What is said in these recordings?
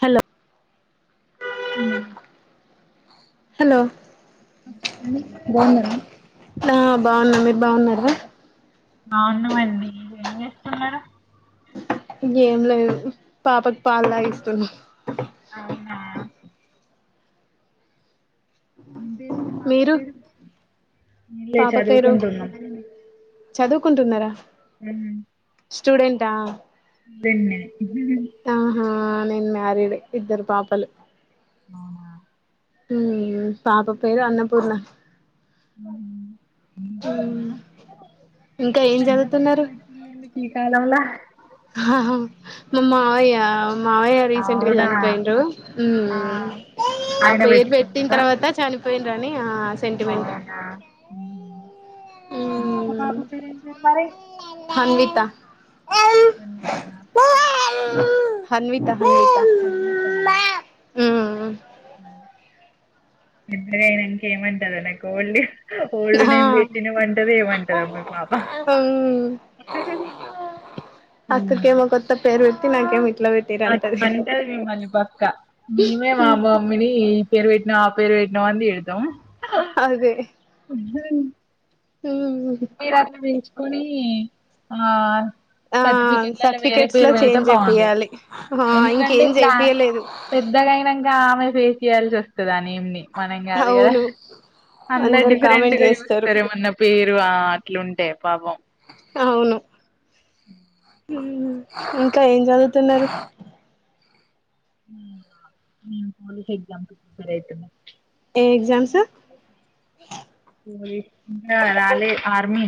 Hello హ్మ్ hello ఆ చెప్పండి బావున్నారా ఆ బాగున్నా మీరు బాగున్నారు బావున్నామండి ఏం చేస్తున్నారు ఇ ఏం లేదు పాపకు పాలు తాగిస్తున్నా అవునా న పేరు పాప మీరు పేరు న చ పాప చదువ కొంట వన్నా కుంటున్నారా మ్ స్టూడెంట్ హా అన్నే ఆహా నేన్ మ్యారిడ్ ఇద్దరు పాపలు అవునా మ్ మ్ పాప పేరు అన్నపూర్ణ నా ఇంకా ఏం పెద్ద పేరు చదువుతున్నారు పెట్టిండ్రు ఈ కాలంలా ఆహ మమ అ అయ్య మావయ్య రీసెంట్గా అవునా చనిపోయిండు ఆ ఆ ఆయన పేరు పెట్టిన పెట్టుకున్నారా తర్వాత చనిపోయిన్ర అని ఆ సెంటిమెంట్ ఇంకా బ పేరు మర అన్విత కందీత హన్విత హన్విత కందితనా మ్మ్ ఇద్దగా నంక ఏమ అంటద అ నాకుళ్ళి ఒళ్ళు న ఆ ఏం బేట్నే వంటది ఏమంటద అమ్ మీ పాప అక్క కే మా కొత్తప్పే అ నాకేం అ అంటారు మిమ్మల్ని పక్క మేమే మా మమ్మీని పేరు పెట్టిన పేరు వటిన వందంది ఎతం అదే అజ మ్మ్ మీ రాత్రంచి కుడి ఆ ఆ సర్టిఫికెట్లలో వేరే సర్టిఫికెట్స్ లో పేరు చేం పెడితే బాగుండు చెపియాలి ఎందుకంటే ఇంకేం క్లా చెపియలేదు పెద్దగా అయినాక ఆమె ఫేస్ చేయాల్సి వస్తుంది అని ఏంని మనంగా కధుగదా అవును అందా అందరు డిఫరెంట్ కామెంట్ గా చేస్తారు చూస్తారేమన్నా పేరు ఆ అట్లుంటే పాపమ్ అవును ఉమ్ ఇంకా ఏం చదువుతున్నరు? ఉమ్ ఉమ్ పోలీస్ ఎగ్జామ్స్ కి ప్రిపేర్ అయితున్న ఏ ఎగ్జామ్స్ పోలీస్ ఇంకా రాలే ఆర్మీ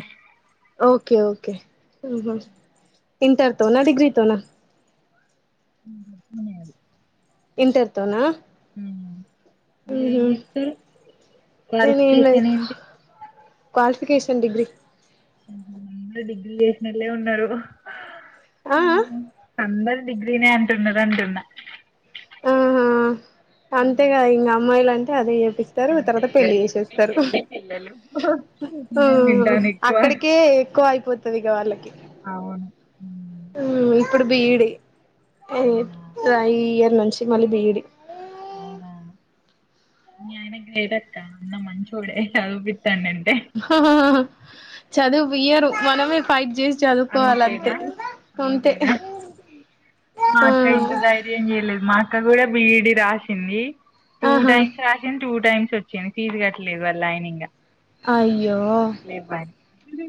ఓకే ఓకే ఆహా ఇంటర్తోనా? డిగ్రీతోనా? ఉహు మొన్నే అది ఇంటర్తోనా మీరేం చెస్తరు నేనేం లేదు క్వాలిఫికేషన్ ఏంటి? క్వాలిఫికేషన్ డిగ్రీ ఉహు అందరు డిగ్రీ చేసినోలే ఉన్నరు ఆ అవును ఆ అందరు డిగ్రీనే అంటున్నది అంటున్నా ఆ అంతేగా ఇంకా అమ్మాయిలు ఆన్ ద అది స్తారు అంతే తర్వాత ఇగ పెళ్లి డిగ్రీ చేసేస్తరు పెళ్లి పిల్లలు హ్ ఊ ఇదే వింటాను ఎక్కువ అక్కడికే ఎక్కువ అయిపోతు సరిగా వాళ్ళకి అవును ఉమ్ ఇప్పుడు బి. ఈ. డి ఓ అవునా ట్రై యా [unintelligible] నుంచి మళ్ళీ బి. ఈ. డి అవునా మీ ఆయన గ్రేట్ అక్క అన్న మంచోడే చదువుపిత్ హ హా హా చదువు ఇయ్యరు మనమే పైట్ జేస్ అంతేనా అంతేనా ఆ మాక్క ఇంక ధైర్యం చేయలేదు మా అక్క కూడా బీ. ఈ. డి రాసింది టూ ఆహా టైమ్స్ రాసింది టూ టైమ్స్ వచ్చేను ఫీజ్ కట్టలేదు వాళ్ళ ఆయన ఇంగ అయ్యో ఇ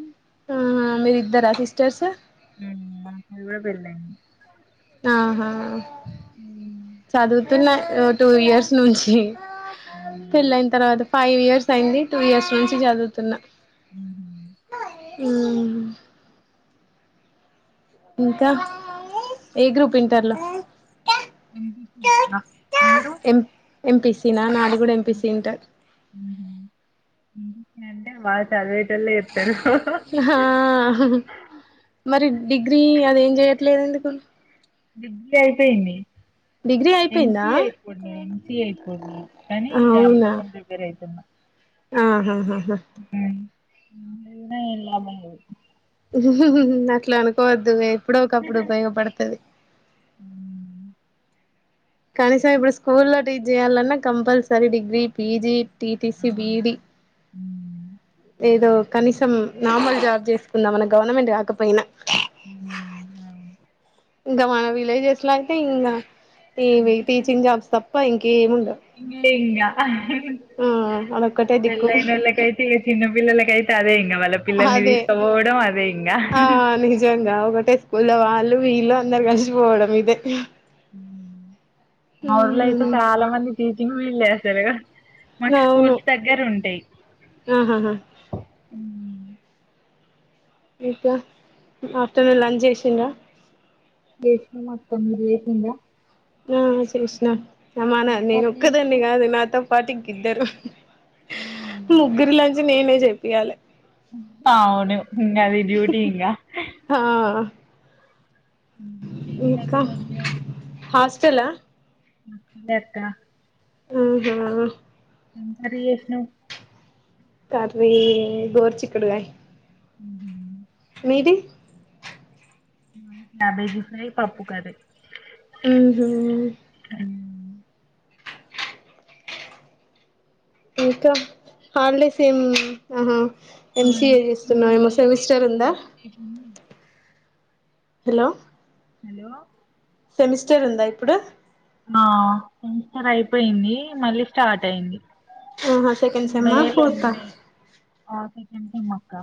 ఆ మీరిఇద్దర సిస్టర్స్ ఉమ్ మా అక్క కు కూడా పెళ్లయింది ఆహా చదు చదుతున్నా టూ ఇయర్స్ నుంచి అవునా పెళ్ళన తర్వాత ఫైవ్ ఇయర్స్ అయింది టూ ఇయర్స్ నుంచి చదువుతున్నా ఆ ఇంకా ఏ గ్రూప్ ఇంటర్లో ఎమ్. పి. సి అక్క మీరు ఎంపీసి తినా నాది కూడా ఎంపిసి ఇంటర్ వాల్ చదివేద్ హా అహ్ మరి డిగ్రీ అదేం చెయట్లేదండి ఎందుకు డిగ్లీ అయిపోయింది డిగ్రీ అయిపోయిందా ఎంసిఏ అయిపోంది ఎంసిఏ అయిపోండి కానీ అప్ కోసం ప్రిపేర్ అయితున్నా ఆహా ఆహా ఇంగా ఏం లాభమో అట్ల అనుకోద్ ద్ మే ఎప్పుడో ఒక అప్పుడు ఉపయోగపడతది కనీసం ఇప్పుడు స్కూల్ల్లో టీచ్ చేయాలన్నా కంపల్సరీ డిగ్రీ పీజీ టిటిసి అవును. బిఈడి హ్మ్. ఏదో కనీసం నార్మల్ జాబ్ చేసుకుందాం మన గవర్నమెంట్ కాకపోయినా ఊ అవు ఇంక మన విలేజెస్ లో అయితే ఇంకా ఇవి టీచింగ్ జాబ్స్ తప్ప ఇంకేముండవు ఇ ఇంకా ఆ అదొక్కటే దిక్కు పెళ్ళైనోళ్ళకైతే ఇక చిన్న పిల్లలకైతే అదే ఇంగ వాళ్ళ పిల్లల్ని అదే తీసుకపోవడం అదే ఇంగ టే స్కూల్ వాళ్ వీళ్ళు అందరు కలిసిపోవడం ఇదే హ్మ్. మా ఊర్లో అయితే చాలా మంది తీచ్ ఇమి వీళ్ళే ఎసరు మాకు అవును స్కూల్స్ దగ్గర ఉంటయ్ ఆహాహా ఇంకా ఆఫ్టర్నూన్ లంచ్ చేసిండ్రా ఎయిట్ కే మాకు తొమ్మిది అయిపోయిందా ఆ చేసినా అమ్మానా నేను కర్రీ ఒక్కదాన్నే చేసినవు? కాదు నాతో పాటికిద్దరు హ్మ్. ముగ్గురి లంచ్ నేనే జేపియాలే అవును నాది డ్యూటీ ఇంగ ఆ హ్మ్. ఏం ఇంకా కర్రీ వండినవు? హాస్ చ్చలా అదే అక్క ఆహా ఏం కర్రీ చేసినవ్ కర్రీ గోర్ చిక్కడుగాయ్ ఉహు మీది క్యాబేజీ ఫ్రై పప్పుూ కర్రీ ఉహు ఉమ్. ఇంకా హాల్డ్ సేమ్ ఆహా అ ఎంసీఏ చేస్తున్నావు ఏమో సెమిస్టర్ ఉందా [unintelligible] హలో హలో సెమిస్టర్ ఉందా ఇప్పుడు ఆ సెమిస్టర్ అయిపోయింది మళ్ళీ స్టార్ట్ అయింది ఆహా సెకండ్ సేమ్ ఆ ఫోర్త్ ఆ ఎంటి మొక్క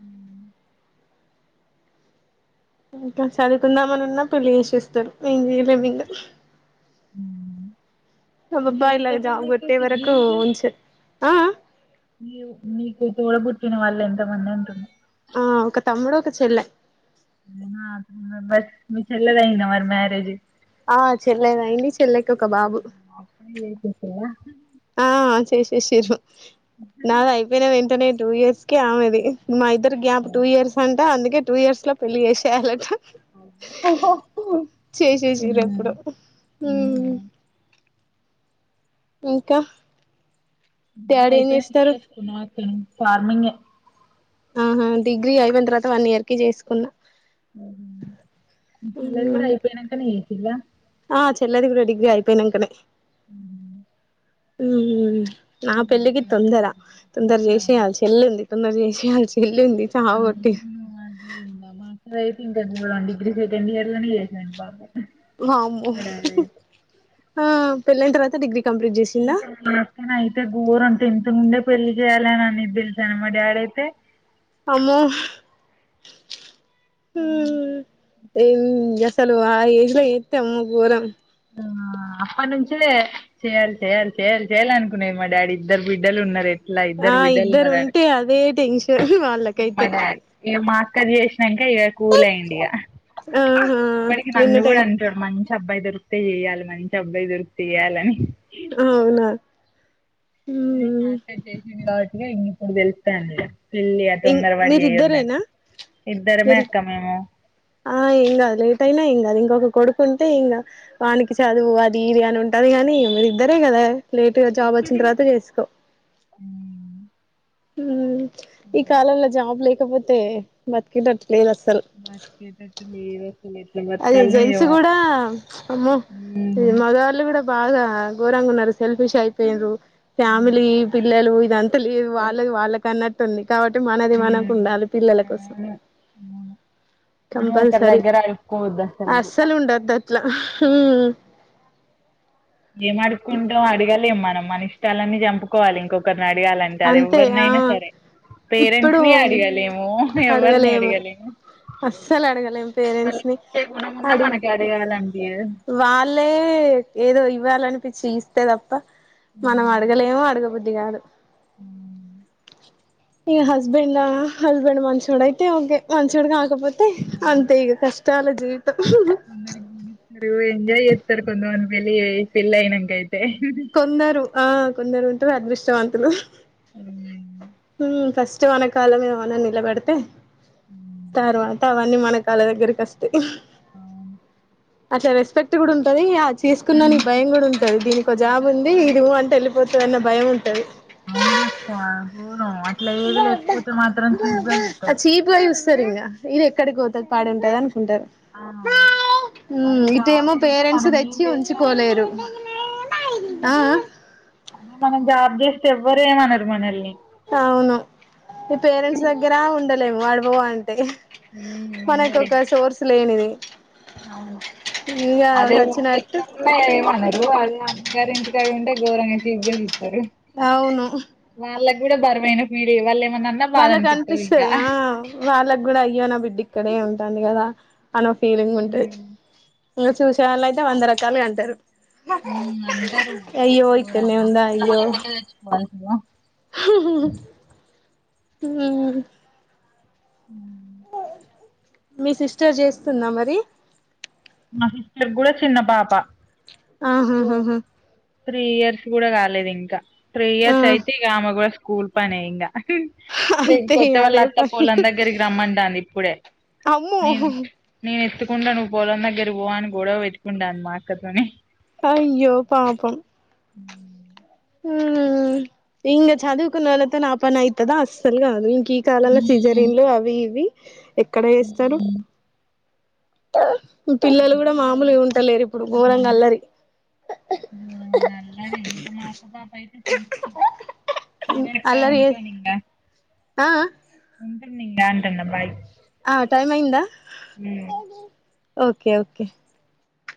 ఉ ఇంకా చదువుకుందామని ఉన్నా పెళ్లి చేసిేస్తారు మేం చేయలేం ఇంక అబాబ్బా మీరెంత ఇలాజావ మంది అక్క ఒకోటే వరకు ఉంచె ఆ న నీకు తూడ పుట్టిన వాళ్ళు ఎంతమంది ఉంటున్నారు ఆ ఒక తమ్ముడు ఒక చెల్ల బస్ మీ చెల్ల ది అయిందా మరి మ్యారేజ్ ఆ చెల్లెదయింది చెల్లెకి ఒక బాబు అప్పుడ లే చేసవా ఆ చేే సేశిరు నాది అయిపోయిన వెంటనే టూ ఇయర్స్ కి ఆమెది మా ఇద్దర గాప్ టూ ఇయర్స్ అ అందుకే టూ ఇయర్స్ లో పెళ్లి చేసేయాలట చేసెసిరు ఎప్పుడో హ్మ్. హుహు. ఇంకా డాడీ ఏం చేస్తారు అయిపోయినాకేచేసుకున్నా ఫార్మింగ్ ఆహ డిగ్రీ అయిపోయిన తర్వాత వన్ ఇయర్ కి చేసుకున్నా ఓహోమీ చెల్లది కూడా అయిపోయానాకనీ ఇలా ఆ చెల్లది కూడా డిగ్రీ అయిపోయినాకనే అ ఉ నా పెళ్లిికి ఇంక తొందర తొందర చేసే అవును. యాలి చెల్లి ఉంది తొందర చేసే చాలు ఉంది చావాకొట్టిండ్రూ అవును అదే ఇంగ మా అక్కదైతే ఇంక డిగ్రీ సెకండ్ ఇయర్ లోని చేసాం బ పాప ఆమో ఆ పెళ్లయిన తర్వాత డిగ్రీ కంప్లీట్ చేసిందా నాస్తేన అయితే గోరం అంటే ఎంత నుండే పెళ్లి చేయాలిని అనిది తెలుసా మా డాడీ అయితే ఆమ్మో హమ్ ఏ చలు ఆ ఏజ్ లో ఎస్తా అమ్మ గోరం అప్పటినుంచలే చేయాలి చెయ్యాలి చేయాలి చెయాలి అనుకున్నాది మా డాడీ ఇద్దరు బిడ్డలు ఉన్నారుయి ఆ ఇద్దరు ఉంటే అదే టెన్షన్ వాళ్ళకైతే కది చేే ఇంకా ఇక కూల్ అయ్యడి ఇక ఆహా ఇప్పటికీ నిన్న నన్ను కూడా టెన్ అంటారు మంచి అబ్బాయి దగ్గర చేయాలి మంచి అబ్బాయి దొరుకుకియాలని అవునా న మాక చేస కాటిగా ఇ తెలుస్తా అంద ఇం మీరిద్దరేనా ఇద్దరమే మీరు అక్క మేము ఆ ఏం కాదు లేట్ అయినా ఏం కాదు ఇంకొక కొడుకుంటే ఇంకా వానికి చదువు అది ఇది అని ఉంటది కానీ మీరు ఇద్దరే కదా లేటుగా జాబ్ వచ్చిన తర్వాత చేసుకో ఉమ్ ఈ కాలంలో జాబ్లే లేకపోతే బతికేటట్టు బతికేటట్టు లేదు అసలు ఎట్లా అది బతకాల్నో జెంట్స్ ఏమో కూడా అమ్మో మ్మ్ మగవాళ్ళు కూడా బాగా గోరంగ ఉన్నారు. సెల్ఫిష్ అయిపోయిన్ర ఫ్యామిలీ పిల్లలు ఇదంతా లేదు వాళ్ళది వాళ్ళకన్న తడి [unintelligible] కాబట్టి మనది మనకు ఉండాలి పిల్లల కోసం అవును మనం ఒకరి కంపల్సరీ దగ్గర అడుక్కోవద్దు అసలుకు అస్సలు ఉండద్దు అట్లా ఉమ్ ఏం అడుకుంటాం అడగాలే మనం మన ఇష్టాలన్నీ చంపుకోవాలి ఇంకొక అడగాలంటే అది అంతే ఆ ఎవరినైనా సరే ఇప్పుడు పేరెంట్స్ ని అడిగలేము ఎవరిని అడగలేము. అస్సలు అడగలేం పేరెంట్స్ వాళ్ళకి ని ఇచ్చే గుణం ఉన్నా అడుగు మనకి అడగాలనిపియదు వాళ్ళే ఏదో ఇవ్వాలని పిచ్చి ఇస్తే త ప్ప మనం అడగలేము అడగబు ద్దిగాదు మ్మ్ ఇ హస్బెండా హస్బెండ్ మంచోడు అయితే ఒకే మంచోడు తే అంతే ఇగ కష్ చాలా జీ కొందరీ [unintelligible] ఎంజాయ్ చేత్తరు కొందరు పెళ్లి అయి పెళ్లైనంక ఐ తే కొందరు ఆ కొందరు ఉంటరు అదృష్టవంతులు మ్మ్ మ్మ్ ఫస్ట్ మన కాల మీద మనం నిలబడితే తర్వాత అవ అన్ని మన కాళ్ళ దగ్గరికి వస్తయ్ అట్లా రెస్పెక్ట్ కూడుం ఉంటది ఆ అట్లా చేసుకునోనికి భయం కూడా అనిపిస్తుంది ఉంటంది అక్క దీనికి కానీ జాబ్ ఉంది చదవాలి ఇది ఉ అంటె వెల్ పోతేవన్న భయం ఉంటది అవునక్కా చీప్ గా అ చూస్తారు చీప్ గా సూస్తారీంగ ఇది ఎక్కడికి వోతది తాడే ఉంటది అన్ ఆ అది ఇటేమో బాగుంటే పేరెంట్స్ మనం ఏం తెచ్చి చేసినా ఎవ్వరు ఉంచుకోలేరు ఏం అనరు. ఆ ఎవ్వరేమనరు మనల్ని అవును ఈ పేరెంట్స్ దగ్గర ఉండద్ లే వాడు బోవన్ మ్మ్ ఉన్నలే లేనిది అవును ఇగ అదే అదే సచ్చినట్టు [unintelligible] ఏమనరు అదే అమ్మ గారి ఇంటికాడ ఉంటే. ఘోరంగా చీప్ గా అవును వాళ్ళక్ కూడా బరువైన పీడే వాళ్ళేం వాళ్ళకు అనిపిస్సది ఆ వాళ్లక్ గూడా అయ్యో నా బిడ్ డి ఇక్కడే ఉంటాంది కదా అనో ఫీలింగ్ ఉంటది ఇంగా చూసే వాళ్ళు అయితే వంద రకాలుగా అంటరు ఉ అంటారు ఇక్కడనే దూరంగా ఉందా [unintelligible] అయ్యో ఇట్లే చచ్చిపోవాల్సిందా హ్మ ఉ మీ సిస్టర్ చేస్తుందా మరి మా సిస్టర్ కూడా చిన్న పాప టూ ఆహాహాహా త్రీ ఇయర్స్ గూడా కాలేదు ఇంకా త్రీ ఆ ఇయర్స్ యితే ఈగ ఆమే గు స్కూల్ పనేంగా అంతే లేకపోతే వాళ్ళు అదే అత్త పని పోలం దగ్గరికి రమ్మంటందిఇప్పుడే. అమ్మో ఉ నేను ఎత్తుకుంట నువ్వు పోలం దగ్ దగ్గర పో అని గొడవ పెట్టుకుంటంది మా అక్కతోని అయ్యో పాపం హ హ్మ ఇంగ చదువుకునళ్లతో ఆ పనైతదా అస్సలు గాదు ఇక్ ఈ కాలంలో సిజరన్లు అవి ఇవి ఎక్కడ చేస్తారు ఆ డిదీ జరుకోన్ ఆ ఘోరంగా అల్లరి నేనన్న తింటా మా అక్క పాపైతే తిన్. సరే అక్క అల్లరి ఉంటా ఇంగా ఆ ఉంటా [unintelligible] అంటన్న బయ్ ఆ టైమైంద ఓకే ఓకే